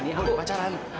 ini aku pacaran